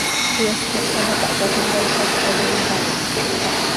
Pyeest mos z ano pahcaalim ta, ipacta z impaa ha.